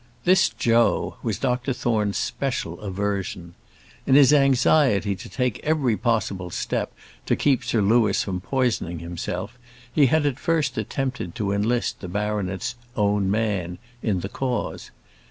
This Joe was Dr Thorne's special aversion. In his anxiety to take every possible step to keep Sir Louis from poisoning himself, he had at first attempted to enlist the baronet's "own man" in the cause.